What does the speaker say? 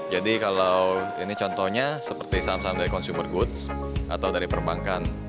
jadi kalau ini contohnya seperti saham saham dari consumer goods atau dari perbankan